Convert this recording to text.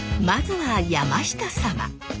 まずは山下サマ。